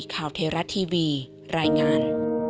ของเทราทีวีรายงาน